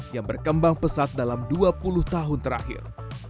yang berkembang pesat dalam dua puluh tahun terakhir